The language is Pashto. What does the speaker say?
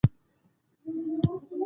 باز د قرباني مرغه تعقیبوي